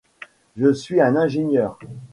Je suis un ingêneur.